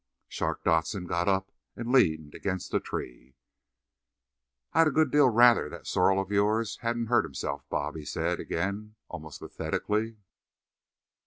Shark Dodson got up and leaned against a tree. "I'd a good deal rather that sorrel of yourn hadn't hurt himself, Bob," he said again, almost pathetically.